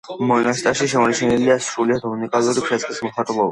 მონასტერში შემორჩენილია სრულიად უნიკალური ფრესკული მოხატულობა.